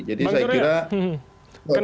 jadi saya kira evaluasi